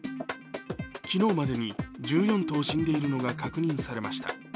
昨日までに１４頭死んでいるのが確認されました。